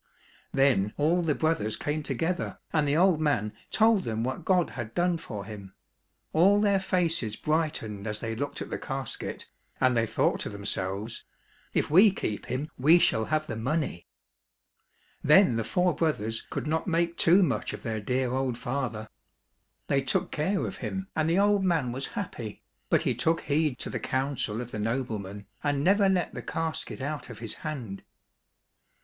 Then all the brothers came together, and the old man told them what God had done for him. All their faces brightened as they looked at the casket, and they thought to themselves, " If we keep him we shall have the money." Then the four brothers could not make too much of their dear old father. They took ^/. e. a forest where treasure is hidden. 223 COSSACK FAIRY TALES care of him and the old man was happy, but he took heed to the counsel of the nobleman, and never let the casket out of his hand.